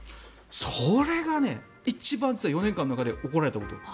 それが一番４年間の中で怒られたこと。